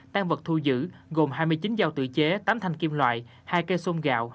tan vật thu giữ gồm hai mươi chín dao tự chế tám thanh kim loại hai cây xôm gạo